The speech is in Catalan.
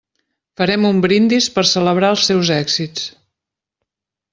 Farem un brindis per celebrar els seus èxits.